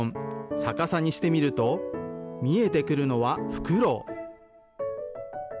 逆さにしてみると、見えてくるのは、フクロウ。